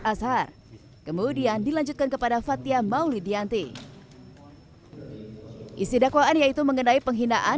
azhar kemudian dilanjutkan kepada fathia maulidianti isi dakwaan yaitu mengenai penghinaan